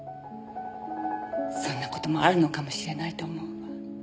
そんな事もあるのかもしれないと思うわ。